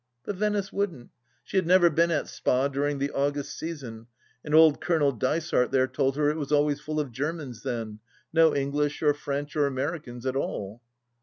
But Venice wouldn't ; she had never been at Spa during the August season, and old Colonel Dysart there told her it was always full of Germans then — no English or French or Americans at all.